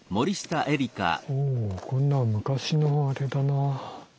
もうこんなの昔のあれだな。